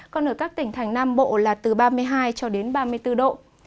còn ở các tỉnh thành nam bộ là từ ba mươi hai cho đến ba mươi bốn độ